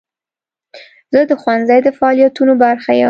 زه د ښوونځي د فعالیتونو برخه یم.